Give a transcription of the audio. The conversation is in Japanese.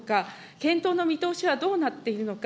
検討の見通しはどうなっているのか。